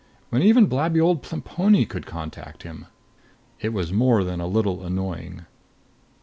When even blabby old Plemponi could contact him. It was more than a little annoying....